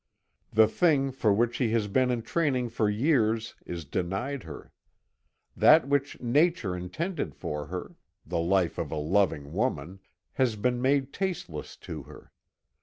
The thing for which she has been in training for years is denied her. That which nature intended her for the life of a loving woman has been made tasteless to her.